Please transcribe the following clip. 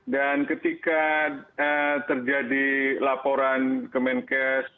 dan ketika terjadi laporan ke menkes